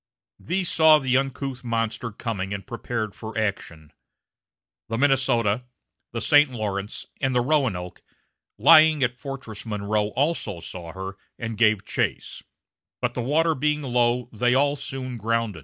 These saw the uncouth monster coming and prepared for action. The Minnesota, the St. Lawrence, and the Roanoke, lying at Fortress Monroe also saw her and gave chase, but, the water being low, they all soon grounded.